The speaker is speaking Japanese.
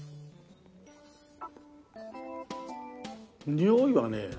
においはね